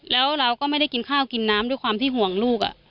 แล้วเราก็ไม่ได้กินข้าวกินน้ำด้วยความที่ห่วงลูก